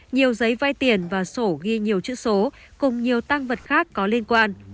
nhiều giấy vai tiền và sổ ghi nhiều chữ số cùng nhiều tăng vật khác có liên quan